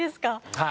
はい。